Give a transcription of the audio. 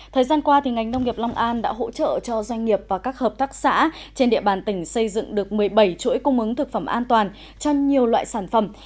thời gian qua ngành nông nghiệp long an đã hỗ trợ cho doanh nghiệp và các hợp tác xã trên địa bàn tỉnh xây dựng được một mươi bảy chuỗi cung ứng thực phẩm an toàn cho nhiều loại sản phẩm